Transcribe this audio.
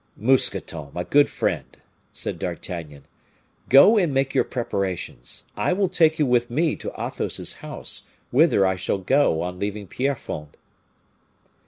"Mousqueton, my good friend," said D'Artagnan, "go and make your preparations. I will take you with me to Athos's house, whither I shall go on leaving Pierrefonds."